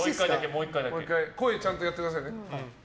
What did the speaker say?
声ちゃんとやってくださいね。